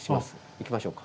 行きましょうか。